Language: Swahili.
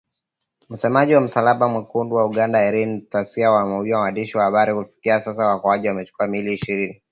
Msemaji wa Msalaba Mwekundu wa Uganda Irene Nakasita aliwaambia waandishi wa habari kuwa kufikia sasa waokoaji wamechukua miili ishirini.